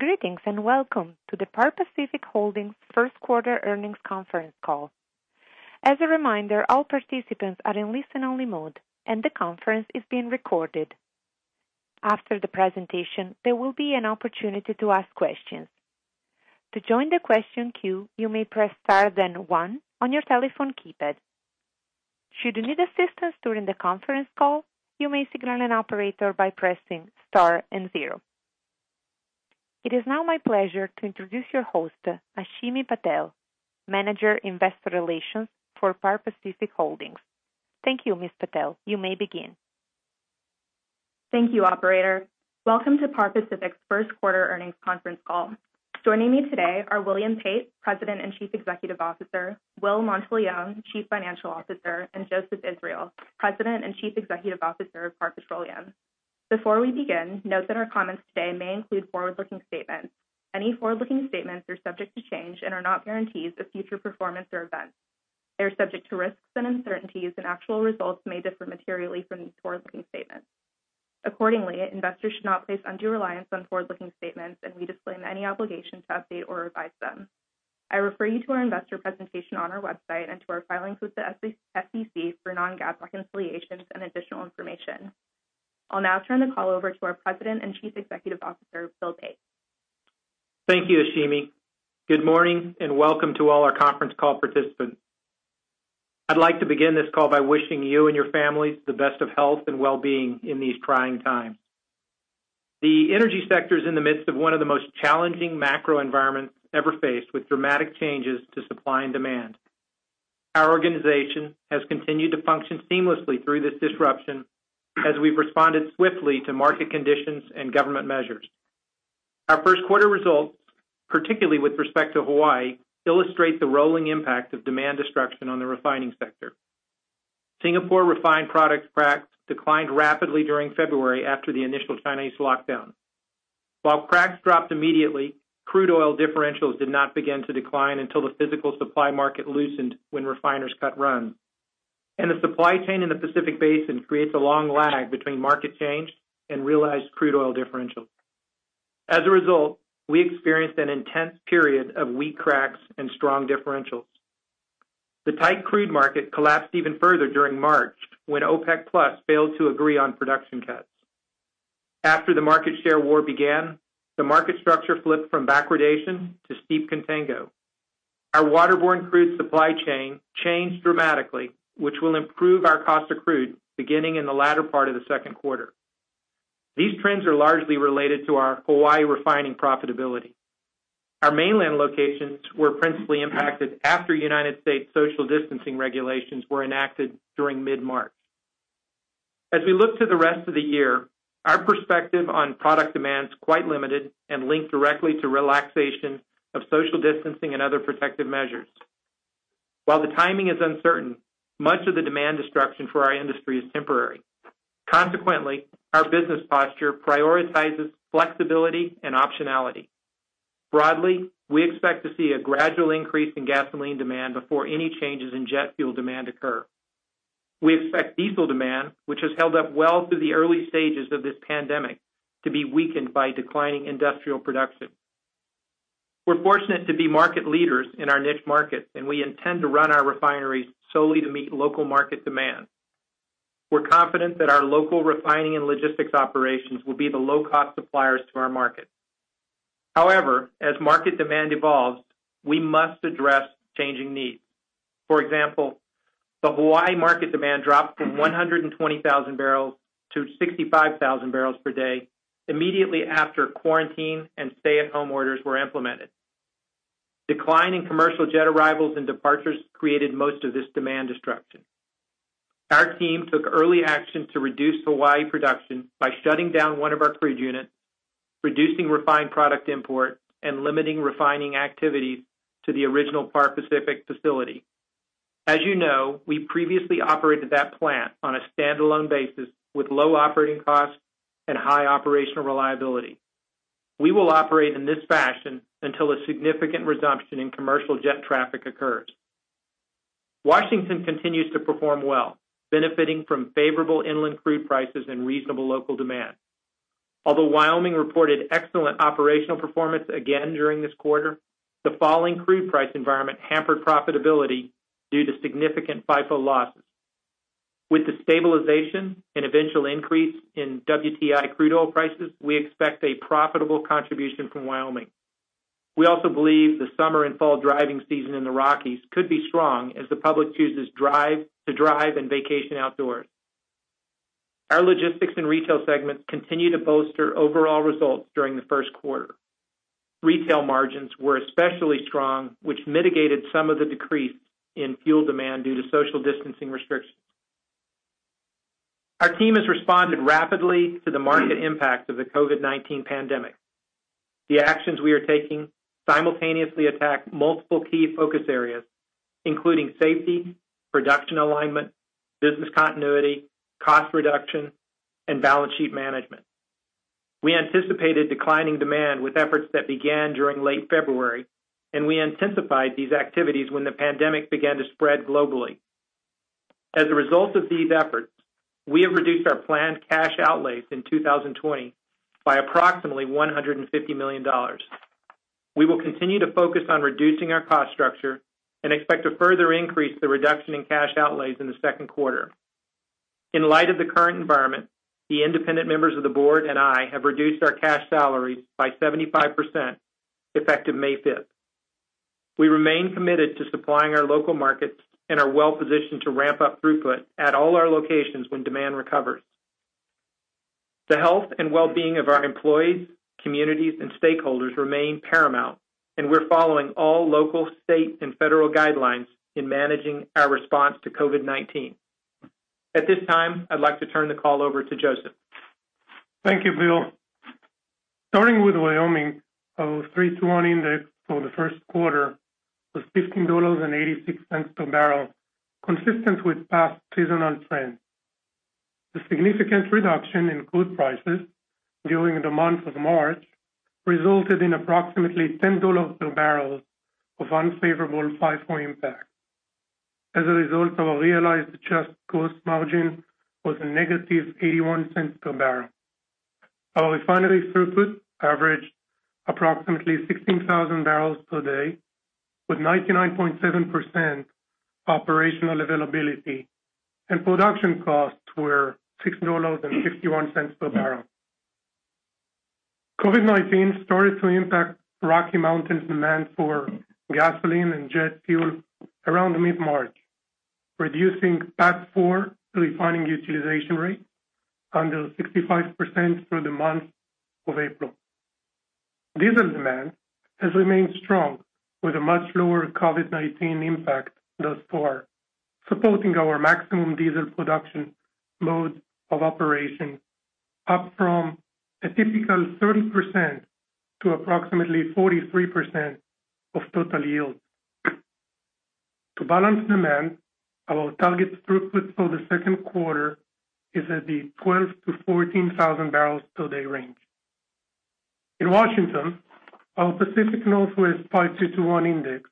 Greetings and welcome to the Par Pacific Holdings' first quarter earnings conference call. As a reminder, all participants are in listen-only mode, and the conference is being recorded. After the presentation, there will be an opportunity to ask questions. To join the question queue, you may press star then one on your telephone keypad. Should you need assistance during the conference call, you may signal an operator by pressing star and zero. It is now my pleasure to introduce your host, Ashimi Patel, Manager Investor Relations for Par Pacific Holdings. Thank you, Ms. Patel. You may begin. Thank you, Operator. Welcome to Par Pacific's first quarter earnings conference call. Joining me today are William Pate, President and Chief Executive Officer; Will Monteleone, Chief Financial Officer; and Joseph Israel, President and Chief Executive Officer of Par Petroleum. Before we begin, note that our comments today may include forward-looking statements. Any forward-looking statements are subject to change and are not guarantees of future performance or events. They are subject to risks and uncertainties, and actual results may differ materially from these forward-looking statements. Accordingly, investors should not place undue reliance on forward-looking statements, and we display no obligation to update or revise them. I refer you to our investor presentation on our website and to our filings with the SEC for non-GAAP reconciliations and additional information. I'll now turn the call over to our President and Chief Executive Officer, Bill Pate. Thank you, Ashimi. Good morning and welcome to all our conference call participants. I'd like to begin this call by wishing you and your families the best of health and well-being in these trying times. The energy sector is in the midst of one of the most challenging macroenvironments ever faced, with dramatic changes to supply and demand. Our organization has continued to function seamlessly through this disruption as we've responded swiftly to market conditions and government measures. Our first quarter results, particularly with respect to Hawaii, illustrate the rolling impact of demand destruction on the refining sector. Singapore refined product cracks declined rapidly during February after the initial Chinese lockdown. While cracks dropped immediately, crude oil differentials did not begin to decline until the physical supply market loosened when refiners cut runs. The supply chain in the Pacific Basin creates a long lag between market change and realized crude oil differentials. As a result, we experienced an intense period of weak cracks and strong differentials. The tight crude market collapsed even further during March when OPEC+ failed to agree on production cuts. After the market share war began, the market structure flipped from backwardation to steep contango. Our waterborne crude supply chain changed dramatically, which will improve our cost of crude beginning in the latter part of the second quarter. These trends are largely related to our Hawaii refining profitability. Our mainland locations were principally impacted after U.S. social distancing regulations were enacted during mid-March. As we look to the rest of the year, our perspective on product demand is quite limited and linked directly to the relaxation of social distancing and other protective measures. While the timing is uncertain, much of the demand destruction for our industry is temporary. Consequently, our business posture prioritizes flexibility and optionality. Broadly, we expect to see a gradual increase in gasoline demand before any changes in jet fuel demand occur. We expect diesel demand, which has held up well through the early stages of this pandemic, to be weakened by declining industrial production. We're fortunate to be market leaders in our niche markets, and we intend to run our refineries solely to meet local market demand. We're confident that our local refining and logistics operations will be the low-cost suppliers to our market. However, as market demand evolves, we must address changing needs. For example, the Hawaii market demand dropped from 120,000 barrels to 65,000 barrels per day immediately after quarantine and stay-at-home orders were implemented. Decline in commercial jet arrivals and departures created most of this demand destruction. Our team took early action to reduce Hawaii production by shutting down one of our crude units, reducing refined product import, and limiting refining activities to the original Par Pacific facility. As you know, we previously operated that plant on a standalone basis with low operating costs and high operational reliability. We will operate in this fashion until a significant resumption in commercial jet traffic occurs. Washington continues to perform well, benefiting from favorable inland crude prices and reasonable local demand. Although Wyoming reported excellent operational performance again during this quarter, the falling crude price environment hampered profitability due to significant FIFO losses. With the stabilization and eventual increase in WTI crude oil prices, we expect a profitable contribution from Wyoming. We also believe the summer and fall driving season in the Rockies could be strong as the public chooses to drive and vacation outdoors. Our logistics and retail segments continue to bolster overall results during the first quarter. Retail margins were especially strong, which mitigated some of the decrease in fuel demand due to social distancing restrictions. Our team has responded rapidly to the market impact of the COVID-19 pandemic. The actions we are taking simultaneously attack multiple key focus areas, including safety, production alignment, business continuity, cost reduction, and balance sheet management. We anticipated declining demand with efforts that began during late February, and we intensified these activities when the pandemic began to spread globally. As a result of these efforts, we have reduced our planned cash outlays in 2020 by approximately $150 million. We will continue to focus on reducing our cost structure and expect to further increase the reduction in cash outlays in the second quarter. In light of the current environment, the independent members of the board and I have reduced our cash salaries by 75% effective May 5. We remain committed to supplying our local markets and are well positioned to ramp up throughput at all our locations when demand recovers. The health and well-being of our employees, communities, and stakeholders remain paramount, and we're following all local, state, and federal guidelines in managing our response to COVID-19. At this time, I'd like to turn the call over to Joseph. Thank you, Bill. Starting with Wyoming, our 3-2-1 index for the first quarter was $15.86 per barrel, consistent with past seasonal trends. The significant reduction in crude prices during the month of March resulted in approximately $10 per barrel of unfavorable FIFO impact. As a result, our realized adjusted gross margin was -$0.81 per barrel. Our refinery throughput averaged approximately 16,000 barrels per day, with 99.7% operational availability, and production costs were $6.51 per barrel. COVID-19 started to impact Rocky Mountains demand for gasoline and jet fuel around mid-March, reducing PADD 4 refining utilization rate under 65% through the month of April. Diesel demand has remained strong, with a much lower COVID-19 impact thus far, supporting our maximum diesel production mode of operation, up from a typical 30% to approximately 43% of total yield. To balance demand, our target throughput for the second quarter is at the 12,000-14,000 barrels per day range. In Washington, our Pacific Northwest 5-2-2-1 index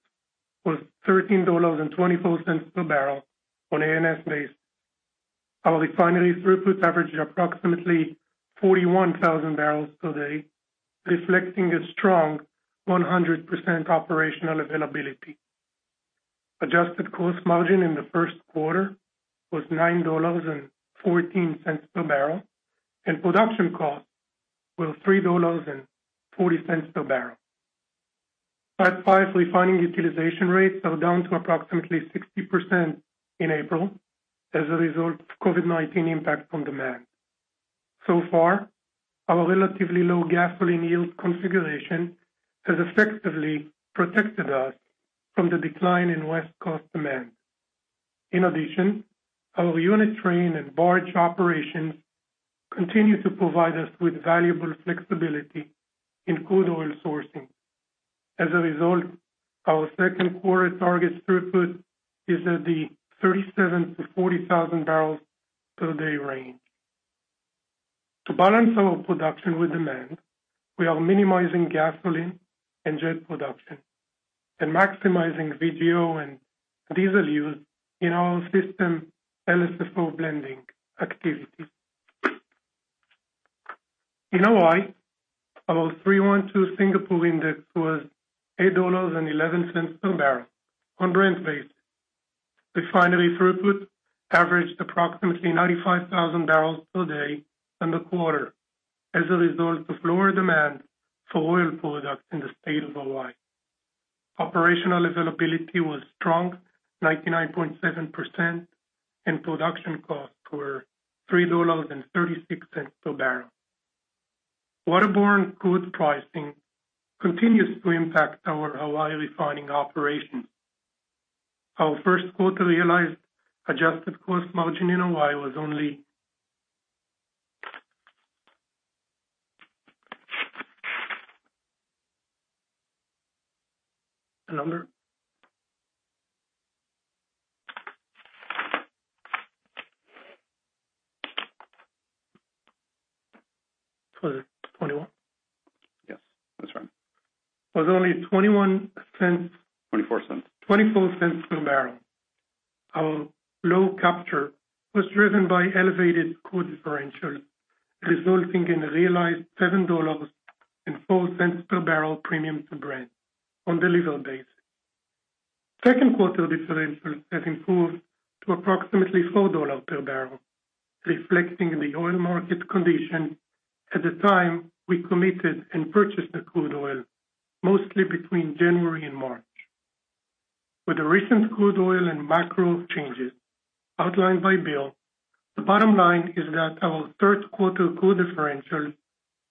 was $13.24 per barrel on ANS basis. Our refinery throughput averaged approximately 41,000 barrels per day, reflecting a strong 100% operational availability. Adjusted cost margin in the first quarter was $9.14 per barrel, and production costs were $3.40 per barrel. PADD 5 refining utilization rates are down to approximately 60% in April as a result of COVID-19 impact on demand. So far, our relatively low gasoline yield configuration has effectively protected us from the decline in West Coast demand. In addition, our unit train and barge operations continue to provide us with valuable flexibility in crude oil sourcing. As a result, our second quarter target throughput is at the 37,000-40,000 barrels per day range. To balance our production with demand, we are minimizing gasoline and jet production and maximizing VGO and diesel use in our system LSFO blending activities. In Hawaii, our 3-1-2 Singapore index was $8.11 per barrel on Brent basis. Refinery throughput averaged approximately 95,000 barrels per day in the quarter as a result of lower demand for oil products in the state of Hawaii. Operational availability was strong, 99.7%, and production costs were $3.36 per barrel. Waterborne crude pricing continues to impact our Hawaii refining operations. Our first quarter realized adjusted gross margin in Hawaii was only... Was it $0.21? Yes, that's right. It was only $0.21. $0.24 cents. $0.24 per barrel. Our low capture was driven by elevated crude differentials, resulting in realized $7.04 per barrel premium to Brent on the level basis. Second quarter differentials have improved to approximately $4 per barrel, reflecting the oil market conditions at the time we committed and purchased the crude oil, mostly between January and March. With the recent crude oil and macro changes outlined by Bill, the bottom line is that our third quarter crude differentials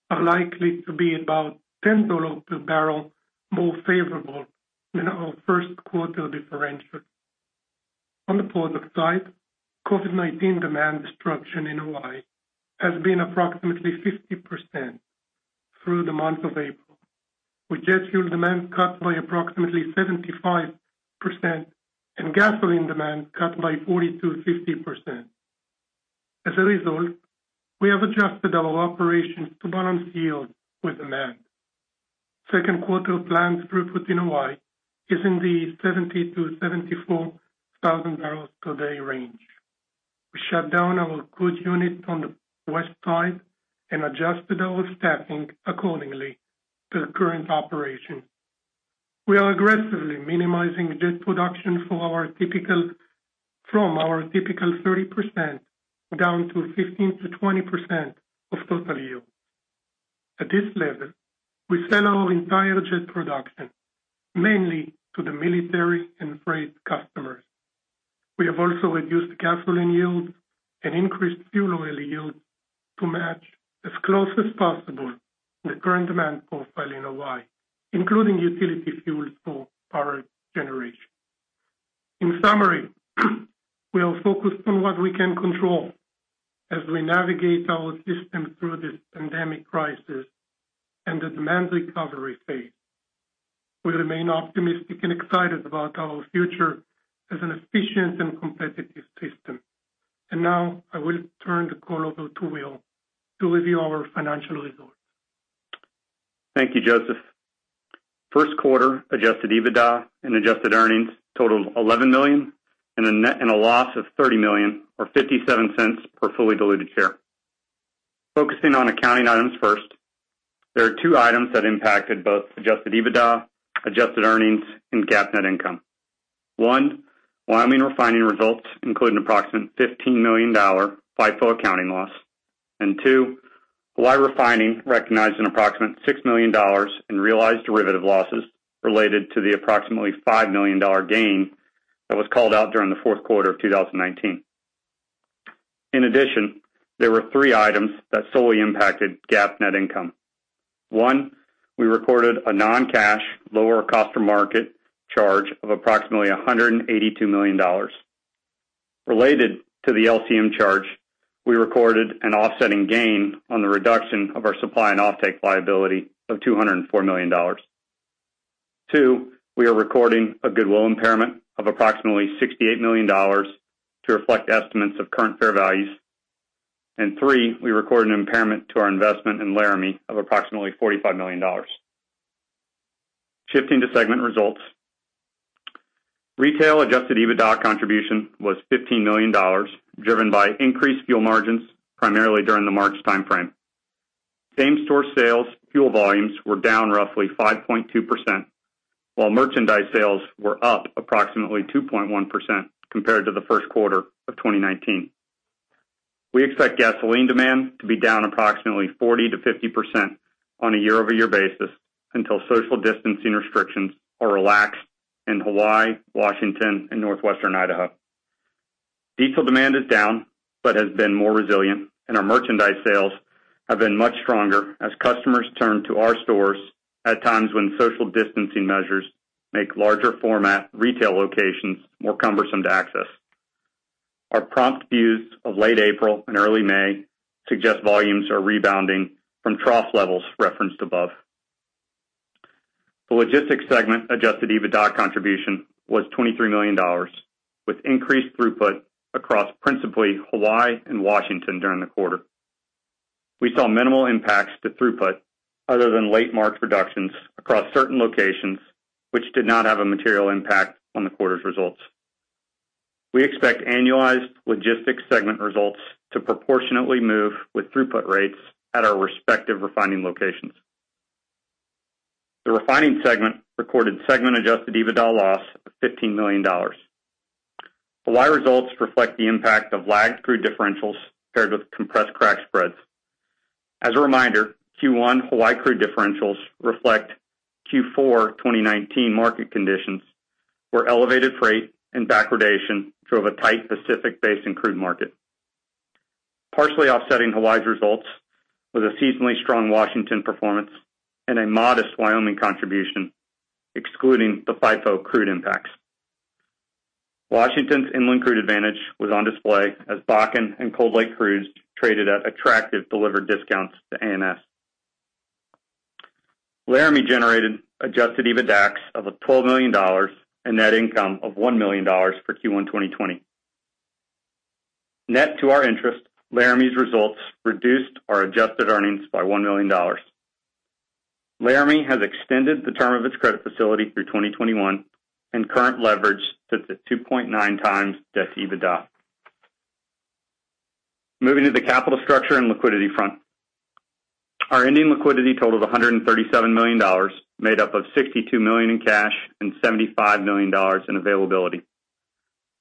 are likely to be about $10 per barrel more favorable than our first quarter differentials. On the product side, COVID-19 demand destruction in Hawaii has been approximately 50% through the month of April, with jet fuel demand cut by approximately 75% and gasoline demand cut by 40%-50%. As a result, we have adjusted our operations to balance yield with demand. Second quarter planned throughput in Hawaii is in the 70,000-74,000 barrels per day range. We shut down our crude units on the West side and adjusted our staffing accordingly to current operations. We are aggressively minimizing jet production from our typical 30% down to 15%-20% of total yield. At this level, we sell our entire jet production, mainly to the military and freight customers. We have also reduced gasoline yields and increased fuel oil yields to match as close as possible the current demand profile in Hawaii, including utility fuels for power generation. In summary, we are focused on what we can control as we navigate our system through this pandemic crisis and the demand recovery phase. We remain optimistic and excited about our future as an efficient and competitive system. I will turn the call over to Will to review our financial results. Thank you, Joseph. First quarter adjusted EBITDA and adjusted earnings totaled $11 million and a loss of $30 million, or $0.57 per fully diluted share. Focusing on accounting items first, there are two items that impacted both adjusted EBITDA, adjusted earnings, and GAAP net income. One, Wyoming refining results included an approximate $15 million FIFO accounting loss. Two, Hawaii refining recognized an approximate $6 million in realized derivative losses related to the approximately $5 million gain that was called out during the fourth quarter of 2019. In addition, there were three items that solely impacted GAAP net income. One, we recorded a non-cash lower of cost or market charge of approximately $182 million. Related to the LCM charge, we recorded an offsetting gain on the reduction of our supply and offtake liability of $204 million. Two, we are recording a goodwill impairment of approximately $68 million to reflect estimates of current fair values. Three, we record an impairment to our investment in Laramie of approximately $45 million. Shifting to segment results, retail adjusted EBITDA contribution was $15 million, driven by increased fuel margins primarily during the March timeframe. Same-store sales fuel volumes were down roughly 5.2%, while merchandise sales were up approximately 2.1% compared to the first quarter of 2019. We expect gasoline demand to be down approximately 40%-50% on a year-over-year basis until social distancing restrictions are relaxed in Hawaii, Washington, and northwestern Idaho. Diesel demand is down but has been more resilient, and our merchandise sales have been much stronger as customers turn to our stores at times when social distancing measures make larger-format retail locations more cumbersome to access. Our prompt views of late April and early May suggest volumes are rebounding from trough levels referenced above. The logistics segment adjusted EBITDA contribution was $23 million, with increased throughput across principally Hawaii and Washington during the quarter. We saw minimal impacts to throughput other than late March reductions across certain locations, which did not have a material impact on the quarter's results. We expect annualized logistics segment results to proportionately move with throughput rates at our respective refining locations. The refining segment recorded segment-adjusted EBITDA loss of $15 million. Hawaii results reflect the impact of lagged crude differentials paired with compressed crack spreads. As a reminder, Q1 Hawaii crude differentials reflect Q4 2019 market conditions where elevated freight and backwardation drove a tight Pacific-based crude market. Partially offsetting Hawaii's results was a seasonally strong Washington performance and a modest Wyoming contribution, excluding the FIFO crude impacts. Washington's inland crude advantage was on display as Bakken and Cold Lake crudes traded at attractive delivered discounts to ANS. Laramie generated adjusted EBITDA of $12 million and net income of $1 million for Q1 2020. Net to our interest, Laramie's results reduced our adjusted earnings by $1 million. Laramie has extended the term of its credit facility through 2021 and current leverage sits at 2.9x debt to EBITDA. Moving to the capital structure and liquidity front, our ending liquidity totaled $137 million, made up of $62 million in cash and $75 million in availability.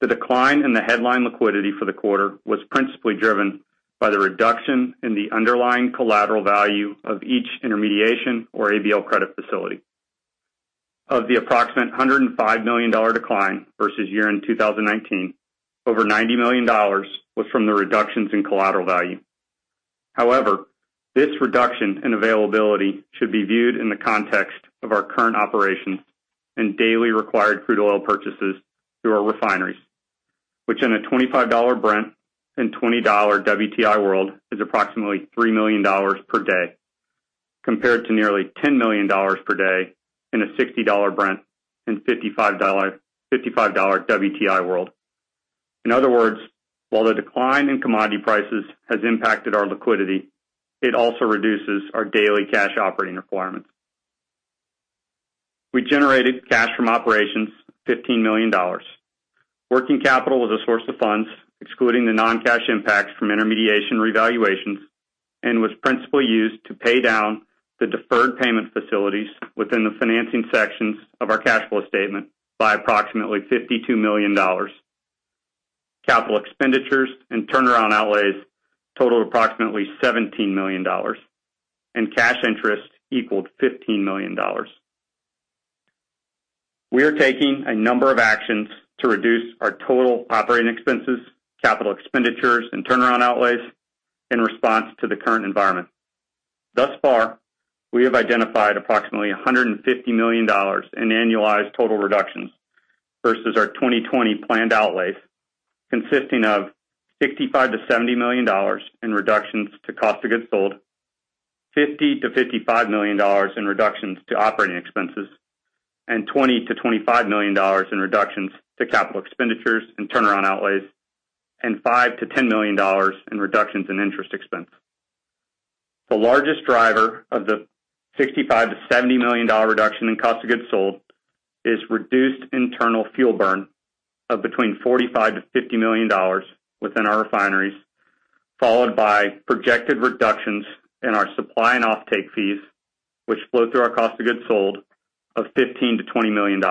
The decline in the headline liquidity for the quarter was principally driven by the reduction in the underlying collateral value of each intermediation or ABL credit facility. Of the approximate $105 million decline versus year-end 2019, over $90 million was from the reductions in collateral value. However, this reduction in availability should be viewed in the context of our current operations and daily required crude oil purchases through our refineries, which in a $25 Brent and $20 WTI world is approximately $3 million per day, compared to nearly $10 million per day in a $60 Brent and $55 WTI world. In other words, while the decline in commodity prices has impacted our liquidity, it also reduces our daily cash operating requirements. We generated cash from operations $15 million. Working capital was a source of funds, excluding the non-cash impacts from intermediation revaluations, and was principally used to pay down the deferred payment facilities within the financing sections of our cash flow statement by approximately $52 million. Capital expenditures and turnaround outlays totaled approximately $17 million, and cash interest equaled $15 million. We are taking a number of actions to reduce our total operating expenses, capital expenditures, and turnaround outlays in response to the current environment. Thus far, we have identified approximately $150 million in annualized total reductions versus our 2020 planned outlays, consisting of $65 million-$70 million in reductions to cost of goods sold, $50 million-$55 million in reductions to operating expenses, and $20 million-$25 million in reductions to capital expenditures and turnaround outlays, and $5 million-$10 million in reductions in interest expense. The largest driver of the $65 million-$70 million reduction in cost of goods sold is reduced internal fuel burn of between $45 million-$50 million within our refineries, followed by projected reductions in our supply and offtake fees, which flow through our cost of goods sold of $15 million-$20 million.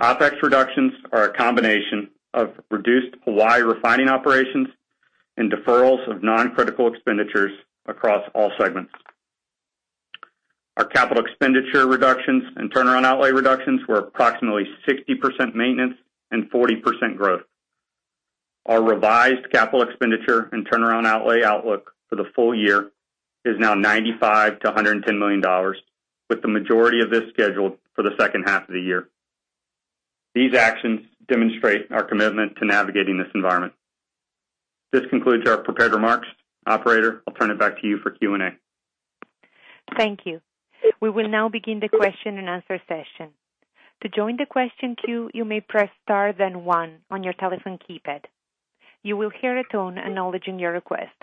OpEx reductions are a combination of reduced Hawaii refining operations and deferrals of non-critical expenditures across all segments. Our capital expenditure reductions and turnaround outlay reductions were approximately 60% maintenance and 40% growth. Our revised capital expenditure and turnaround outlay outlook for the full year is now $95-$110 million, with the majority of this scheduled for the second half of the year. These actions demonstrate our commitment to navigating this environment. This concludes our prepared remarks. Operator, I'll turn it back to you for Q&A. Thank you. We will now begin the question and answer session. To join the question queue, you may press star then one on your telephone keypad. You will hear a tone acknowledging your request.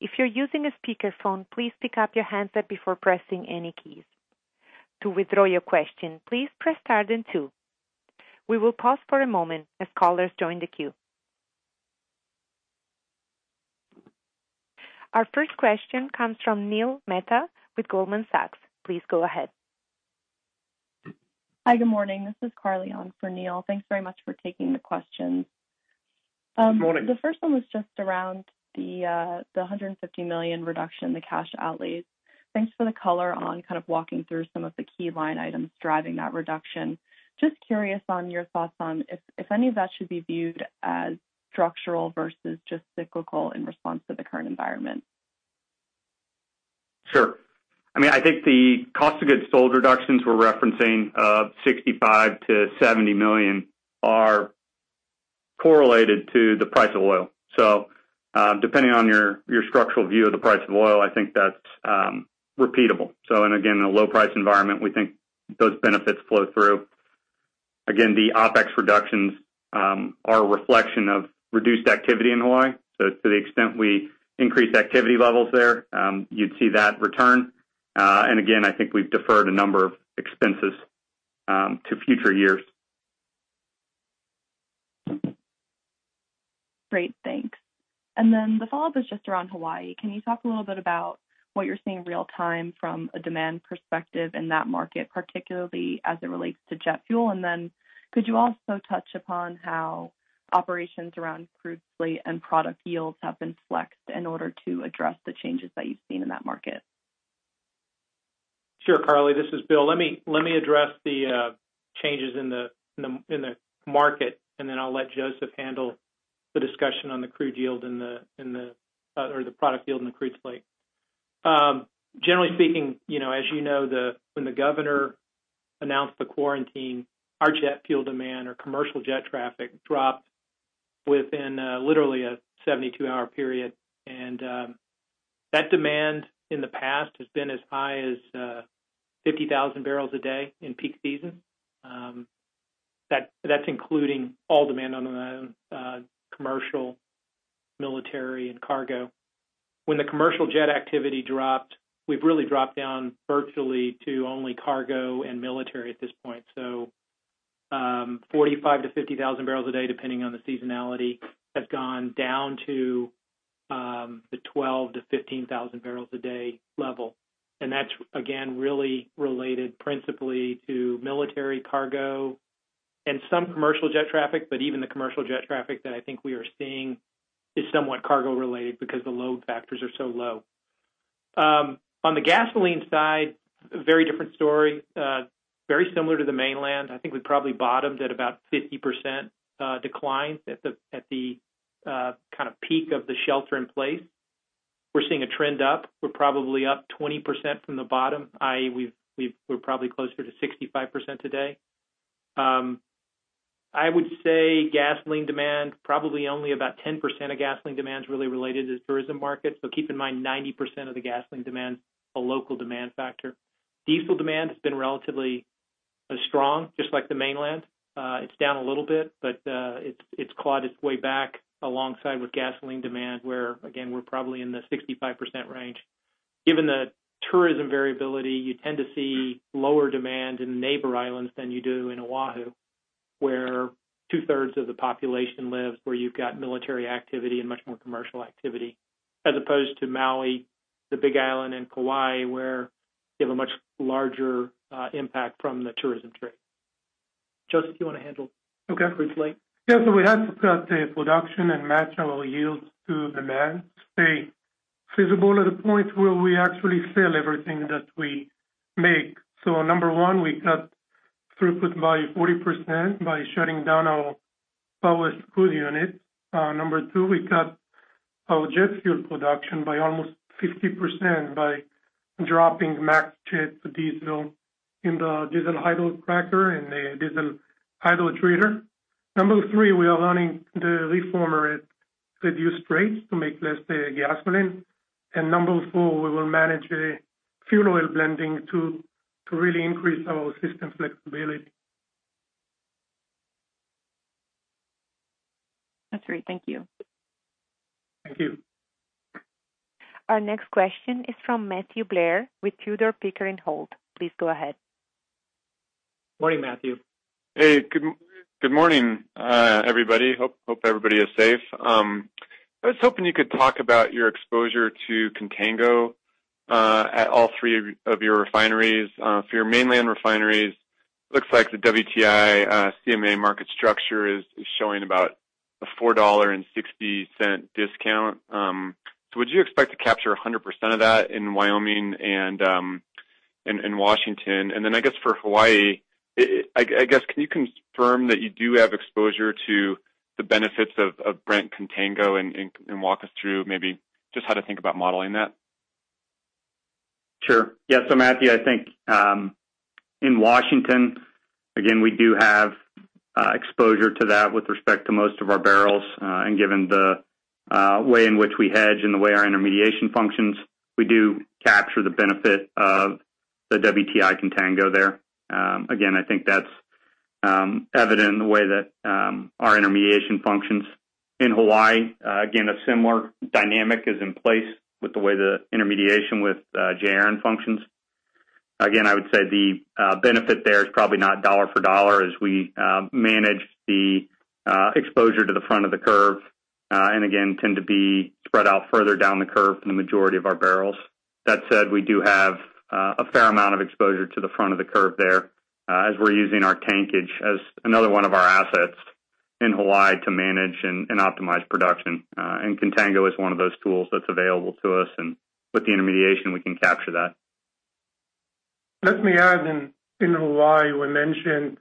If you're using a speakerphone, please pick up your handset before pressing any keys. To withdraw your question, please press star then two. We will pause for a moment as callers join the queue. Our first question comes from Neil Mehta with Goldman Sachs. Please go ahead. Hi, good morning. This is Carly on for Neil. Thanks very much for taking the questions. Good morning. The first one was just around the $150 million reduction in the cash outlays. Thanks for the color on kind of walking through some of the key line items driving that reduction. Just curious on your thoughts on if any of that should be viewed as structural versus just cyclical in response to the current environment. Sure. I mean, I think the cost of goods sold reductions we're referencing of $65 million-$70 million are correlated to the price of oil. So depending on your structural view of the price of oil, I think that's repeatable. So again, in a low-price environment, we think those benefits flow through. Again, the OpEx reductions are a reflection of reduced activity in Hawaii. To the extent we increase activity levels there, you'd see that return. Again, I think we've deferred a number of expenses to future years. Great. Thanks. The follow-up is just around Hawaii. Can you talk a little bit about what you're seeing real-time from a demand perspective in that market, particularly as it relates to jet fuel? Could you also touch upon how operations around crude fleet and product yields have been flexed in order to address the changes that you've seen in that market? Sure, Carly. This is Bill. Let me address the changes in the market, and then I'll let Joseph handle the discussion on the crude yield in the or the product yield in the crude slate. Generally speaking, as you know, when the governor announced the quarantine, our jet fuel demand or commercial jet traffic dropped within literally a 72-hour period. That demand in the past has been as high as 50,000 barrels a day in peak seasons. That is including all demand on the commercial, military, and cargo. When the commercial jet activity dropped, we really dropped down virtually to only cargo and military at this point. 45,000-50,000 barrels a day, depending on the seasonality, has gone down to the 12,000-15,000 barrels a day level. That is, again, really related principally to military cargo and some commercial jet traffic. Even the commercial jet traffic that I think we are seeing is somewhat cargo-related because the load factors are so low. On the gasoline side, very different story. Very similar to the mainland. I think we probably bottomed at about 50% decline at the kind of peak of the shelter-in-place. We're seeing a trend up. We're probably up 20% from the bottom, i.e., we're probably closer to 65% today. I would say gasoline demand, probably only about 10% of gasoline demand is really related to the tourism market. Keep in mind 90% of the gasoline demand is a local demand factor. Diesel demand has been relatively strong, just like the mainland. It's down a little bit, but it's clawed its way back alongside with gasoline demand, where, again, we're probably in the 65% range. Given the tourism variability, you tend to see lower demand in the neighbor islands than you do in Oahu, where two-thirds of the population lives, where you've got military activity and much more commercial activity, as opposed to Maui, the Big Island, and Kauai, where you have a much larger impact from the tourism trade. Joseph, do you want to handle crude fleet? Yeah. We have to cut production and match our yields to demand. Stay feasible at a point where we actually sell everything that we make. Number one, we cut throughput by 40% by shutting down our power crude unit. Number two, we cut our jet fuel production by almost 50% by dropping max jet to diesel in the diesel hydrocracker and the diesel hydrotreater. Number three, we are running the reformer at reduced rates to make less gasoline. Number four, we will manage the fuel oil blending to really increase our system flexibility. That's great. Thank you. Thank you. Our next question is from Matthew Blair with Tudor, Pickering, Holt. Please go ahead. Morning, Matthew. Hey. Good morning, everybody. Hope everybody is safe. I was hoping you could talk about your exposure to contango at all three of your refineries. For your mainland refineries, it looks like the WTI CMA market structure is showing about a $4.60 discount. Would you expect to capture 100% of that in Wyoming and Washington? I guess for Hawaii, can you confirm that you do have exposure to the benefits of Brent contango and walk us through maybe just how to think about modeling that? Sure. Yeah. Matthew, I think in Washington, again, we do have exposure to that with respect to most of our barrels. Given the way in which we hedge and the way our intermediation functions, we do capture the benefit of the WTI contango there. I think that's evident in the way that our intermediation functions. In Hawaii, a similar dynamic is in place with the way the intermediation with J. Aron functions. I would say the benefit there is probably not dollar-for-dollar as we manage the exposure to the front of the curve and, again, tend to be spread out further down the curve for the majority of our barrels. That said, we do have a fair amount of exposure to the front of the curve there as we're using our tankage as another one of our assets in Hawaii to manage and optimize production. Contango is one of those tools that's available to us. With the intermediation, we can capture that. Let me add in Hawaii, we mentioned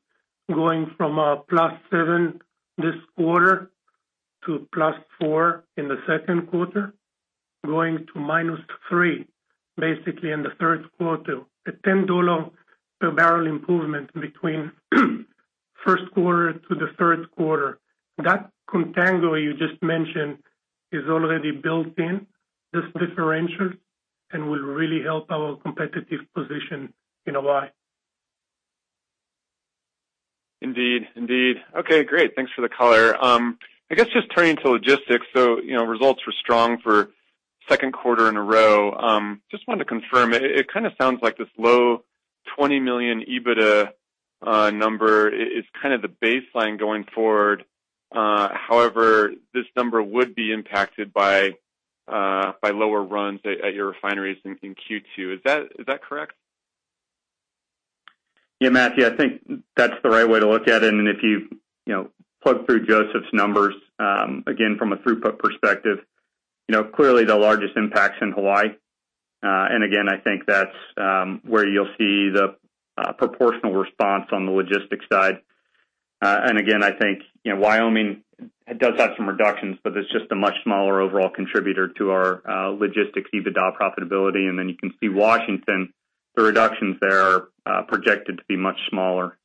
going from a +$7 this quarter to +$4 in the second quarter, going to -$3 basically in the third quarter, a $10 per barrel improvement between first quarter to the third quarter. That contango you just mentioned is already built in, this differential, and will really help our competitive position in Hawaii. Indeed. Indeed. Okay. Great. Thanks for the color. I guess just turning to logistics. Results were strong for the second quarter in a row. Just wanted to confirm, it kind of sounds like this low $20 million EBITDA number is kind of the baseline going forward. However, this number would be impacted by lower runs at your refineries in Q2. Is that correct? Yeah, Matthew, I think that's the right way to look at it. If you plug through Joseph's numbers, again, from a throughput perspective, clearly the largest impact's in Hawaii. I think that's where you'll see the proportional response on the logistics side. I think Wyoming does have some reductions, but it's just a much smaller overall contributor to our logistics EBITDA profitability. You can see Washington, the reductions there are projected to be much smaller.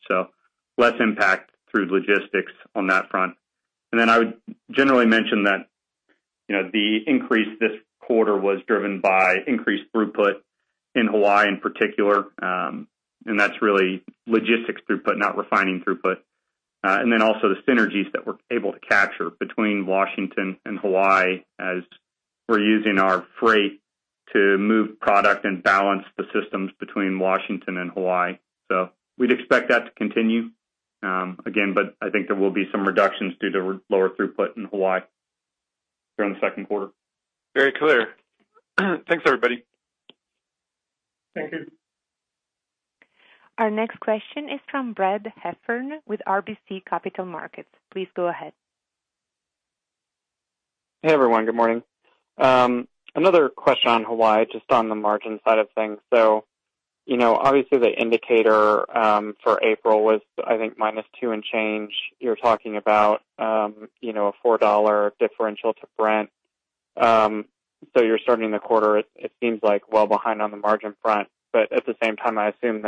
Less impact through logistics on that front. I would generally mention that the increase this quarter was driven by increased throughput in Hawaii in particular. That's really logistics throughput, not refining throughput. Also the synergies that we're able to capture between Washington and Hawaii as we're using our freight to move product and balance the systems between Washington and Hawaii. We'd expect that to continue. Again, I think there will be some reductions due to lower throughput in Hawaii during the second quarter. Very clear. Thanks, everybody. Thank you. Our next question is from Brent Heffern with RBC Capital Markets. Please go ahead. Hey, everyone. Good morning. Another question on Hawaii, just on the margin side of things. Obviously, the indicator for April was, I think, -$2 and change. You're talking about a $4 differential to Brent. You're starting the quarter, it seems like, well behind on the margin front. At the same time, I assume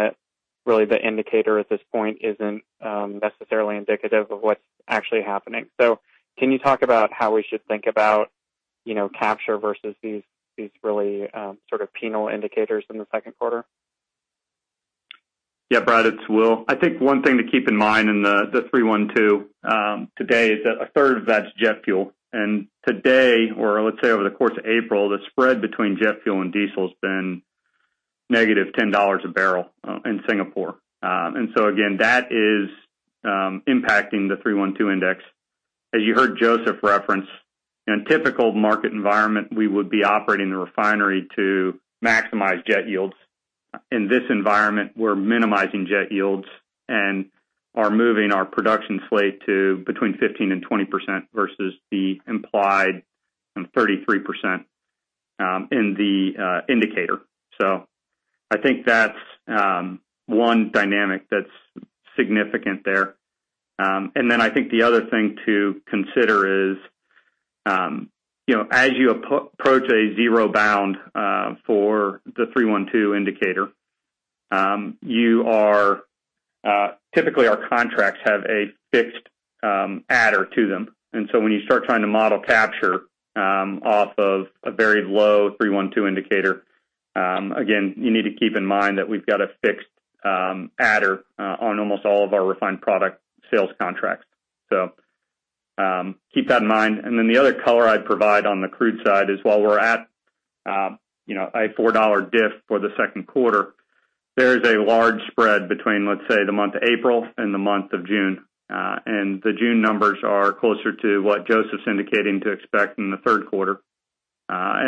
that really the indicator at this point isn't necessarily indicative of what's actually happening. Can you talk about how we should think about capture versus these really sort of penal indicators in the second quarter? Yeah, Brad, it's Will. I think one thing to keep in mind in the 3-1-2 today is that a third of that's jet fuel. Today, or let's say over the course of April, the spread between jet fuel and diesel has been -$10 a barrel in Singapore. That is impacting the 3-1-2 index. As you heard Joseph reference, in a typical market environment, we would be operating the refinery to maximize jet yields. In this environment, we're minimizing jet yields and are moving our production slate to between 15% and 20% versus the implied 33% in the indicator. I think that's one dynamic that's significant there. I think the other thing to consider is as you approach a zero bound for the 3-1-2 indicator, typically our contracts have a fixed adder to them. When you start trying to model capture off of a very low 3-1-2 indicator, again, you need to keep in mind that we've got a fixed adder on almost all of our refined product sales contracts. Keep that in mind. The other color I'd provide on the crude side is while we're at a $4 diff for the second quarter, there is a large spread between, let's say, the month of April and the month of June. The June numbers are closer to what Joseph's indicating to expect in the third quarter. I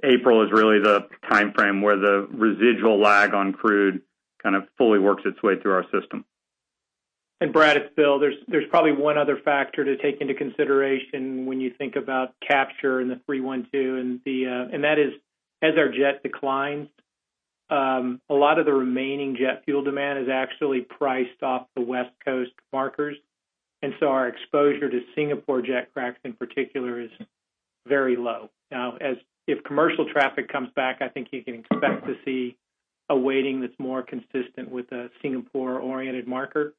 think April is really the time frame where the residual lag on crude kind of fully works its way through our system. Brad, it's Bill. There's probably one other factor to take into consideration when you think about capture in the 3-1-2. As our jet declines, a lot of the remaining jet fuel demand is actually priced off the West Coast markers. Our exposure to Singapore jet cracks in particular is very low. Now, if commercial traffic comes back, I think you can expect to see a weighting that's more consistent with a Singapore-oriented marker.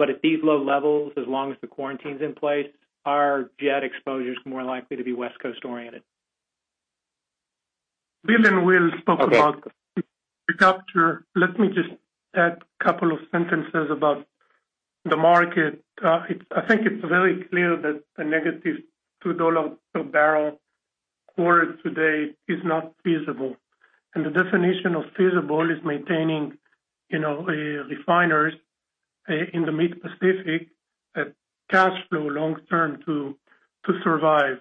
At these low levels, as long as the quarantine's in place, our jet exposure is more likely to be West Coast-oriented. Bill and Will, talk about the capture. Let me just add a couple of sentences about the market. I think it's very clear that a -$2 per barrel quarter today is not feasible. The definition of feasible is maintaining refineries in the Mid-Pacific at cash flow long-term to survive.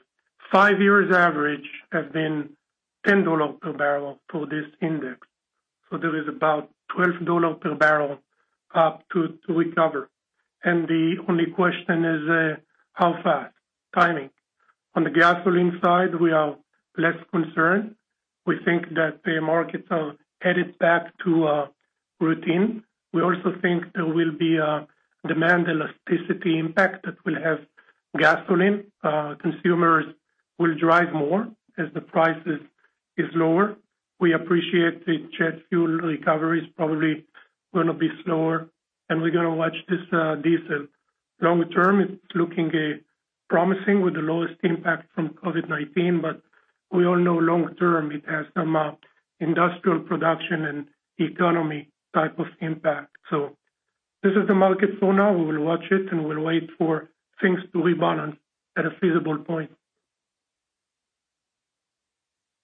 Five years average has been $10 per barrel for this index. So there is about $12 per barrel up to recover. The only question is how fast, timing. On the gasoline side, we are less concerned. We think that the markets are headed back to a routine. We also think there will be a demand elasticity impact that will have gasoline. Consumers will drive more as the price is lower. We appreciate that jet fuel recovery is probably going to be slower. We are going to watch this diesel. Long-term, it's looking promising with the lowest impact from COVID-19. We all know long-term, it has some industrial production and economy type of impact. This is the market for now. We will watch it, and we'll wait for things to rebalance at a feasible point.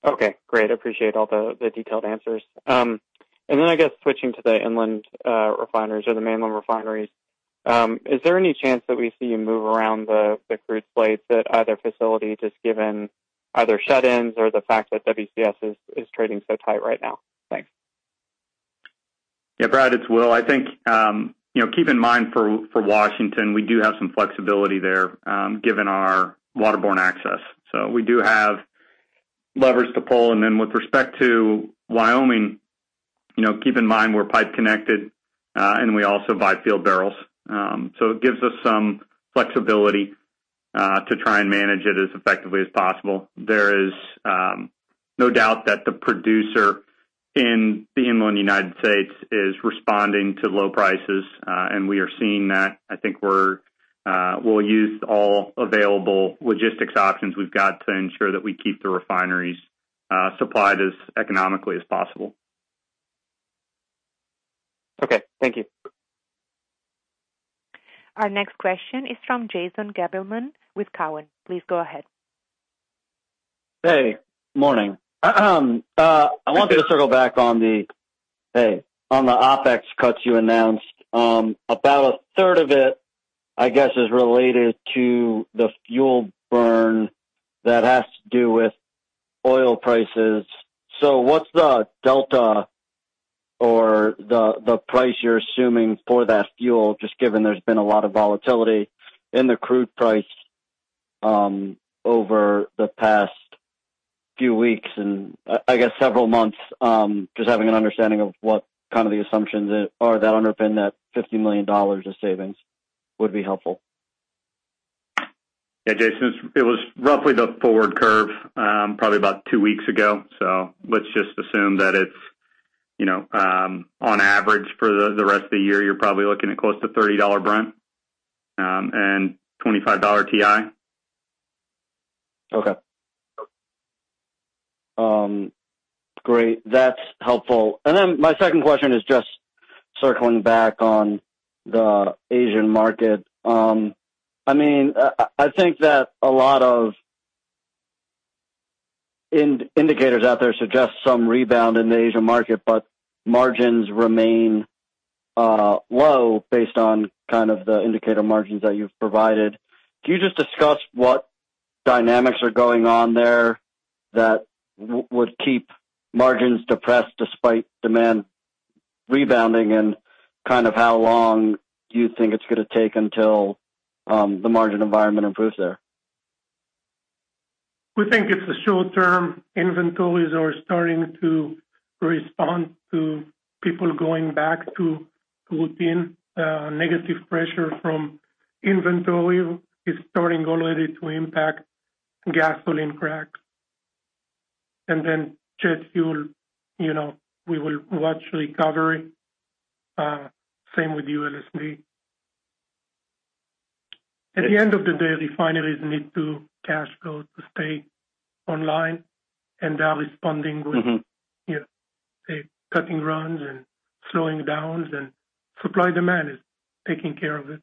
Okay. Great. I appreciate all the detailed answers. I guess switching to the inland refineries or the mainland refineries, is there any chance that we see you move around the crude slate at either facility just given either shut-ins or the fact that WCS is trading so tight right now? Thanks. Yeah, Brad, it's Will. I think keep in mind for Washington, we do have some flexibility there given our waterborne access. We do have levers to pull. With respect to Wyoming, keep in mind we're pipe connected, and we also buy field barrels. It gives us some flexibility to try and manage it as effectively as possible. There is no doubt that the producer in the inland United States is responding to low prices, and we are seeing that. I think we'll use all available logistics options we've got to ensure that we keep the refineries supplied as economically as possible. Okay. Thank you. Our next question is from Jason Gabelman with Cowen. Please go ahead. Hey. Morning. I wanted to circle back on the OpEx cuts you announced. About a third of it, I guess, is related to the fuel burn that has to do with oil prices. What's the delta or the price you're assuming for that fuel, just given there's been a lot of volatility in the crude price over the past few weeks and, I guess, several months? Just having an understanding of what kind of the assumptions are that underpin that $50 million of savings would be helpful. Yeah, Jason, it was roughly the forward curve probably about two weeks ago. Let's just assume that it's on average for the rest of the year, you're probably looking at close to $30 Brent and $25 TI. Okay. Great. That's helpful. My second question is just circling back on the Asian market. I mean, I think that a lot of indicators out there suggest some rebound in the Asian market, but margins remain low based on kind of the indicator margins that you've provided. Can you just discuss what dynamics are going on there that would keep margins depressed despite demand rebounding and kind of how long you think it's going to take until the margin environment improves there? We think it's the short-term inventories are starting to respond to people going back to routine. Negative pressure from inventory is starting already to impact gasoline cracks. And then jet fuel, we will watch recovery. Same with ULSD. At the end of the day, refineries need to cash flow to stay online. And they're responding with cutting runs and slowing downs. Supply demand is taking care of it.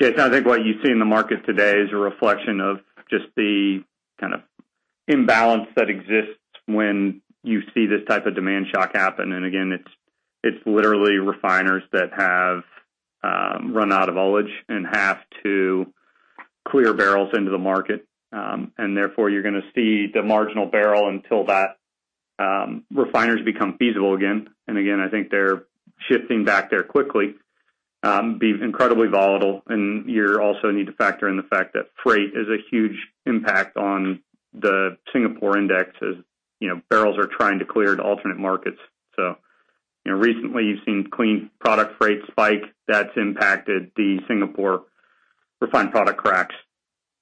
Jason, I think what you see in the market today is a reflection of just the kind of imbalance that exists when you see this type of demand shock happen. It's literally refiners that have run out of ullage and have to clear barrels into the market. Therefore, you're going to see the marginal barrel until that refineries become feasible again. I think they're shifting back there quickly, be incredibly volatile. You also need to factor in the fact that freight is a huge impact on the Singapore index as barrels are trying to clear to alternate markets. Recently, you've seen clean product freight spike. That's impacted the Singapore refined product cracks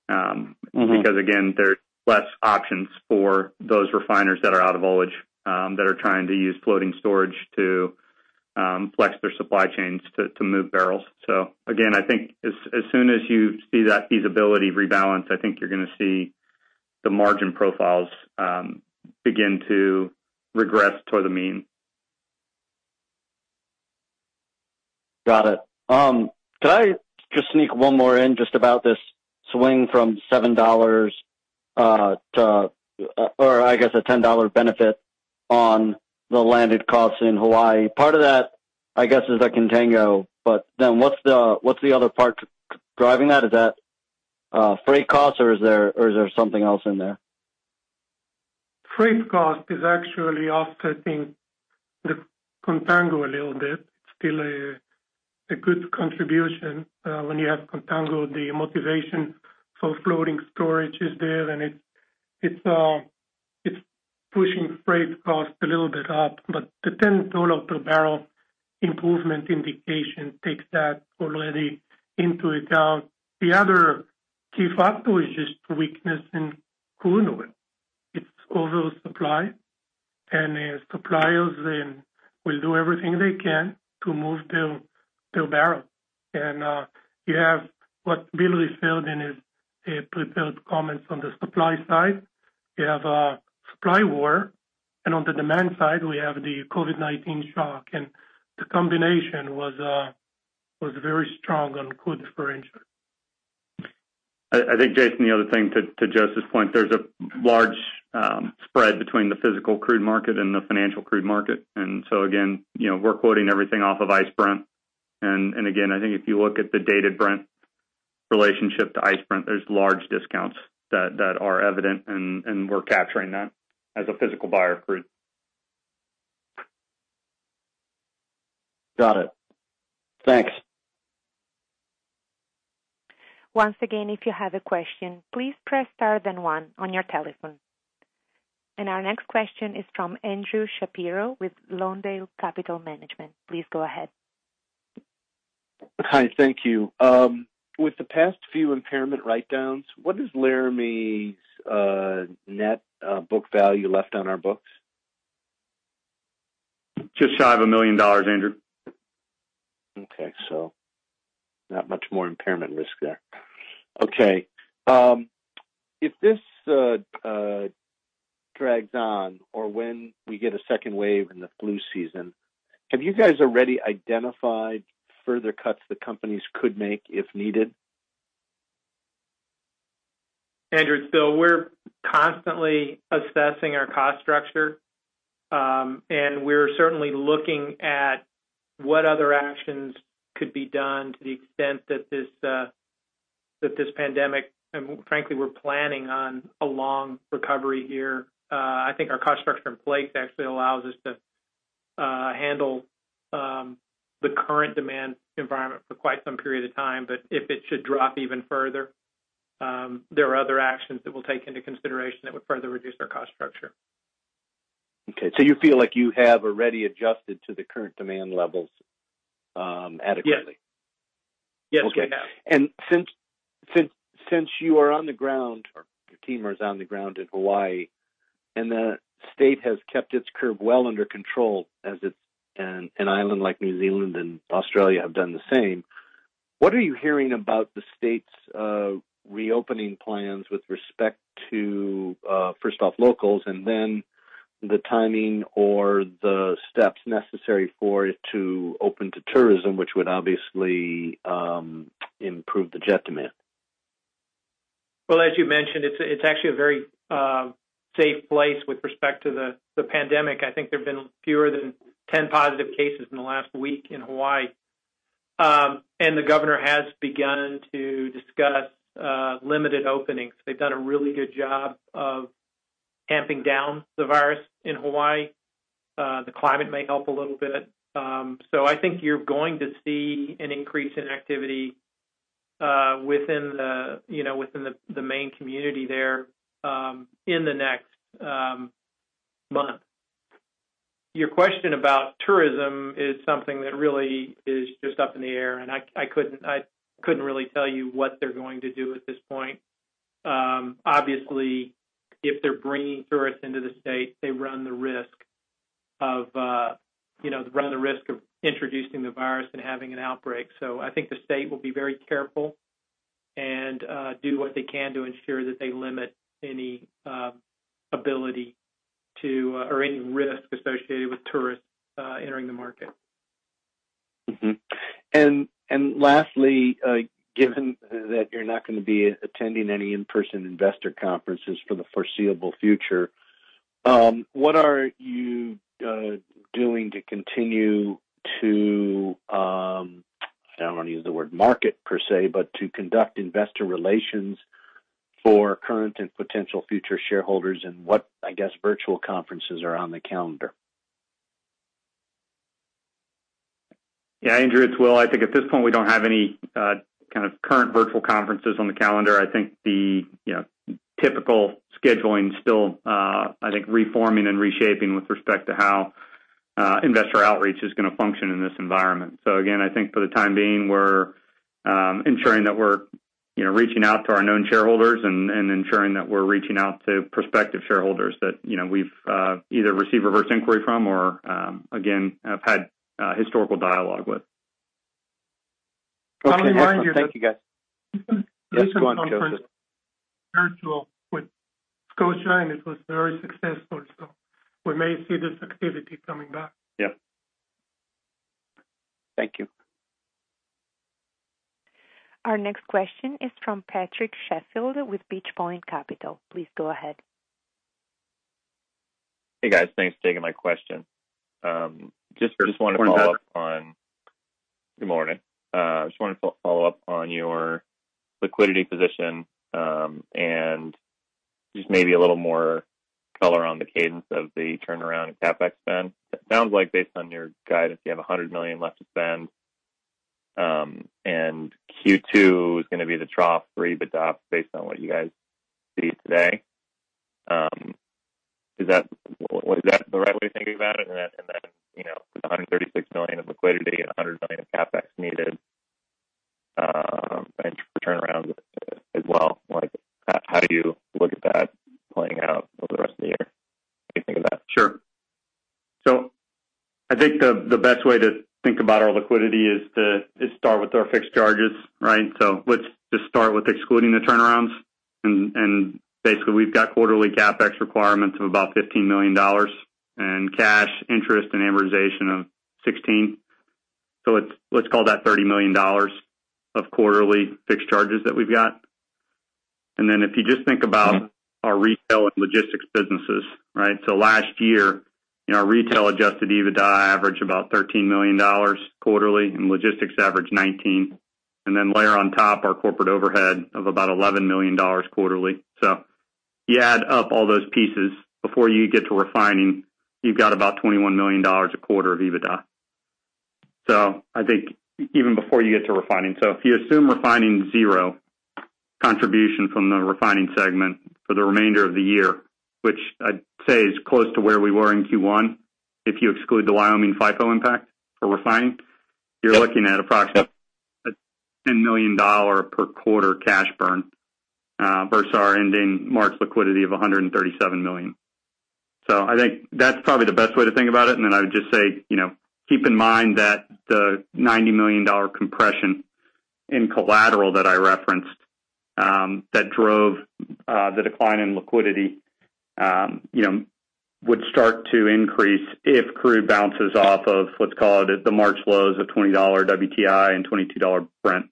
because there's less options for those refiners that are out of ullage that are trying to use floating storage to flex their supply chains to move barrels. I think as soon as you see that feasibility rebalance, I think you're going to see the margin profiles begin to regress toward the mean. Got it. Can I just sneak one more in just about this swing from $7 to, or I guess, a $10 benefit on the landed costs in Hawaii? Part of that, I guess, is a contango. What is the other part driving that? Is that freight costs, or is there something else in there? Freight cost is actually offsetting the contango a little bit. It's still a good contribution. When you have contango, the motivation for floating storage is there, and it's pushing freight costs a little bit up. The $10 per barrel improvement indication takes that already into account. The other key factor is just weakness in crude oil. It's over-supply. Suppliers will do everything they can to move their barrels. You have what Bill referred in his prepared comments on the supply side. You have a supply war. On the demand side, we have the COVID-19 shock. The combination was very strong on crude differential. I think, Jason, the other thing to Joseph's point, there's a large spread between the physical crude market and the financial crude market. Again, we're quoting everything off of ICE Brent. I think if you look at the dated Brent relationship to ICE Brent, there are large discounts that are evident. We're capturing that as a physical buyer of crude. Got it. Thanks. Once again, if you have a question, please press star then one on your telephone. Our next question is from Andrew Shapiro with Lawndale Capital Management. Please go ahead. Hi, thank you. With the past few impairment write-downs, what is Laramie's net book value left on our books? Just shy of $1 million, Andrew. Okay. Not much more impairment risk there. Okay. If this drags on or when we get a second wave in the flu season, have you guys already identified further cuts the companies could make if needed? Andrew, it's Bill. We're constantly assessing our cost structure. We're certainly looking at what other actions could be done to the extent that this pandemic and frankly, we're planning on a long recovery here. I think our cost structure in place actually allows us to handle the current demand environment for quite some period of time. If it should drop even further, there are other actions that we'll take into consideration that would further reduce our cost structure. Okay. So you feel like you have already adjusted to the current demand levels adequately? Yes. Yes, we have. Okay. Since you are on the ground or your team is on the ground in Hawaii and the state has kept its curve well under control as an island like New Zealand and Australia have done the same, what are you hearing about the state's reopening plans with respect to, first off, locals and then the timing or the steps necessary for it to open to tourism, which would obviously improve the jet demand? As you mentioned, it's actually a very safe place with respect to the pandemic. I think there have been fewer than 10 positive cases in the last week in Hawaii. The governor has begun to discuss limited openings. They've done a really good job of tamping down the virus in Hawaii. The climate may help a little bit. I think you're going to see an increase in activity within the main community there in the next month. Your question about tourism is something that really is just up in the air. I couldn't really tell you what they're going to do at this point. Obviously, if they're bringing tourists into the state, they run the risk of introducing the virus and having an outbreak. I think the state will be very careful and do what they can to ensure that they limit any ability or any risk associated with tourists entering the market. Lastly, given that you're not going to be attending any in-person investor conferences for the foreseeable future, what are you doing to continue to—I don't want to use the word market per se, but to conduct investor relations for current and potential future shareholders? What, I guess, virtual conferences are on the calendar? Yeah, Andrew, it's Will. I think at this point, we don't have any kind of current virtual conferences on the calendar. I think the typical scheduling is still, I think, reforming and reshaping with respect to how investor outreach is going to function in this environment. I think for the time being, we're ensuring that we're reaching out to our known shareholders and ensuring that we're reaching out to prospective shareholders that we've either received reverse inquiry from or have had historical dialogue with. Thank you, guys. This is going closer. Virtual with Scotia and it was very successful. We may see this activity coming back. Yeah. Thank you. Our next question is from Patrick Sheffield with Beach Point Capital. Please go ahead. Hey, guys. Thanks for taking my question. Just wanted to follow up on—good morning. Just wanted to follow up on your liquidity position and just maybe a little more color on the cadence of the turnaround and CapEx spend. It sounds like based on your guidance, you have $100 million left to spend. Q2 is going to be the trough for EBITDA based on what you guys see today. Is that the right way to think about it? With $136 million of liquidity and $100 million of CapEx needed and turnaround as well, how do you look at that playing out over the rest of the year? What do you think of that? Sure. I think the best way to think about our liquidity is to start with our fixed charges, right? Let's just start with excluding the turnarounds. Basically, we've got quarterly CapEx requirements of about $15 million and cash, interest, and amortization of $16 million. Let's call that $30 million of quarterly fixed charges that we've got. If you just think about our retail and logistics businesses, right? Last year, our retail adjusted EBITDA averaged about $13 million quarterly and logistics averaged $19 million. Layer on top our corporate overhead of about $11 million quarterly. You add up all those pieces. Before you get to refining, you've got about $21 million a quarter of EBITDA. I think even before you get to refining, if you assume refining zero contribution from the refining segment for the remainder of the year, which I'd say is close to where we were in Q1, if you exclude the Wyoming FIFO impact for refining, you're looking at approximately a $10 million per quarter cash burn versus our ending March liquidity of $137 million. I think that's probably the best way to think about it. I would just say keep in mind that the $90 million compression in collateral that I referenced that drove the decline in liquidity would start to increase if crude bounces off of, let's call it, the March lows of $20 WTI and $22 Brent.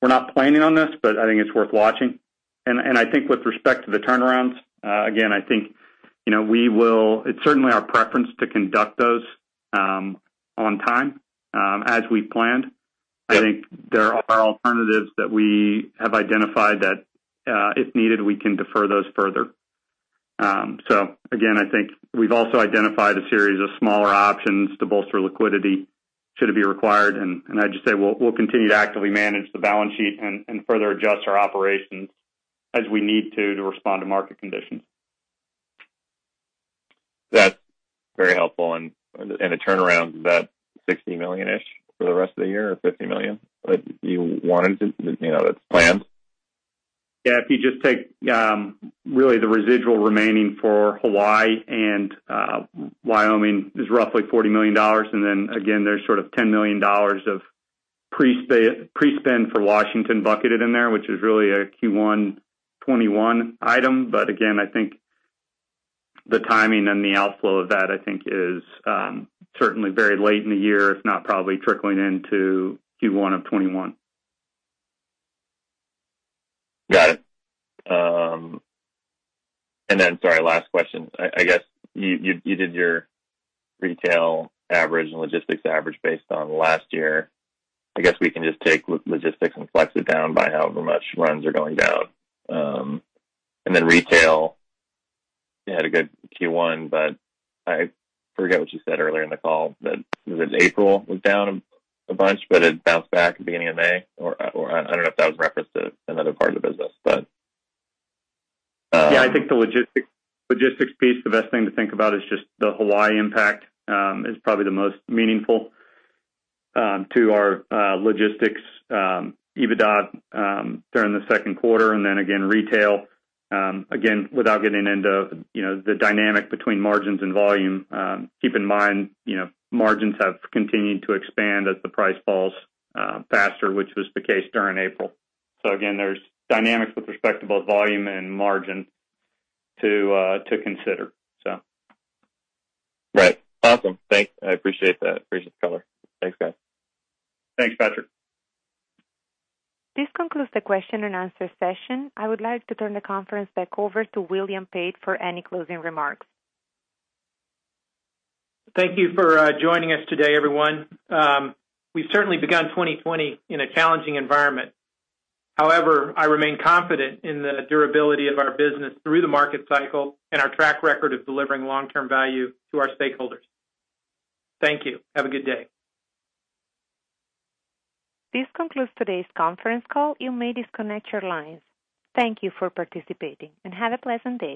We're not planning on this, but I think it's worth watching. I think with respect to the turnarounds, again, I think we will, it's certainly our preference to conduct those on time as we've planned. I think there are alternatives that we have identified that if needed, we can defer those further. I think we've also identified a series of smaller options to bolster liquidity should it be required. I'd just say we'll continue to actively manage the balance sheet and further adjust our operations as we need to to respond to market conditions. That's very helpful. The turnaround, is that $60 million-ish for the rest of the year or $50 million that you wanted to, that's planned? Yeah. If you just take really the residual remaining for Hawaii and Wyoming, it's roughly $40 million. There is sort of $10 million of pre-spend for Washington bucketed in there, which is really a Q1 2021 item. I think the timing and the outflow of that, I think, is certainly very late in the year, if not probably trickling into Q1 of 2021. Got it. Sorry, last question. I guess you did your retail average and logistics average based on last year. I guess we can just take logistics and flex it down by however much runs are going down. Retail, you had a good Q1, but I forget what you said earlier in the call. Was it April was down a bunch, but it bounced back at the beginning of May? I do not know if that was referenced to another part of the business. Yeah. I think the logistics piece, the best thing to think about is just the Hawaii impact is probably the most meaningful to our logistics EBITDA during the second quarter. Again, retail, again, without getting into the dynamic between margins and volume, keep in mind margins have continued to expand as the price falls faster, which was the case during April. There are dynamics with respect to both volume and margin to consider. Right. Awesome. Thanks. I appreciate that. Appreciate the color. Thanks, guys. Thanks, Patrick. This concludes the question and answer session. I would like to turn the conference back over to William Pate for any closing remarks. Thank you for joining us today, everyone. We've certainly begun 2020 in a challenging environment. However, I remain confident in the durability of our business through the market cycle and our track record of delivering long-term value to our stakeholders. Thank you. Have a good day. This concludes today's conference call. You may disconnect your lines. Thank you for participating and have a pleasant day.